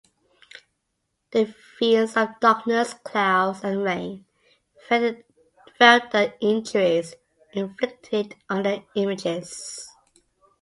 The fiends of darkness, clouds, and rain felt the injuries inflicted on their images.